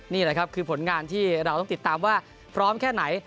นี่แหละครับคือผลงานที่เราต้องติดตามว่าพร้อมแค่ไหน